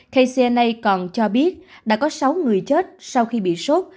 kcna còn cho biết đã có sáu người chết sau khi bị sốt